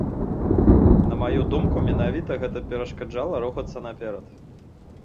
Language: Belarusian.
На маю думку, менавіта гэта перашкаджала рухацца наперад.